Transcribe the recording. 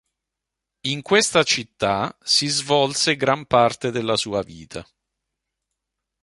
In questa città si svolse gran parte della sua vita.